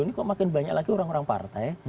ini kok makin banyak lagi orang orang partai